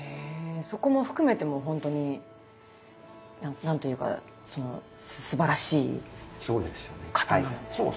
そこも含めてもう本当に何と言うかすばらしい刀なんですね。